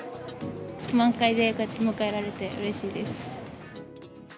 満開で、こうやって迎えられてうれしいです。